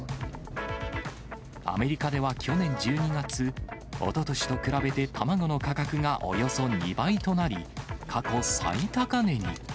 アメリカでは去年１２月、おととしと比べて卵の価格がおよそ２倍となり、過去最高値に。